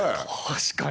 確かに。